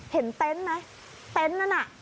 เต็นต์ไหมเต็นต์นั้นน่ะ